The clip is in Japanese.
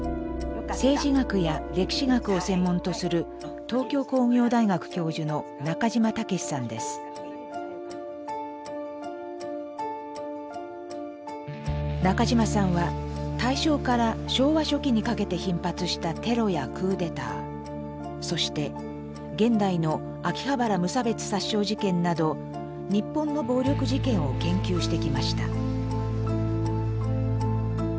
政治学や歴史学を専門とする東京工業大学教授の中島さんは大正から昭和初期にかけて頻発したテロやクーデターそして現代の秋葉原無差別殺傷事件など日本の暴力事件を研究してきました。